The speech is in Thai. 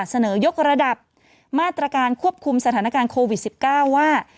เสนอยกระดับมาตรการควบคุมสถานการณ์โควิด๑๙ว่า